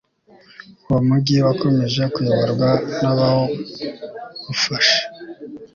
uwo mugi wakomeje kuyoborwa n'abawufashe